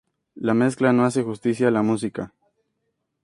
La mezcla no hace justicia a la música.